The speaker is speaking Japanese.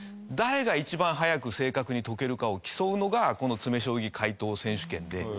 誰が一番早く正確に解けるかを競うのがこの詰将棋解答選手権で。